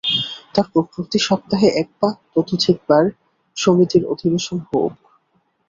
তারপর প্রতি সপ্তাহে এক বা ততোধিক বার সমিতির অধিবেশন হউক।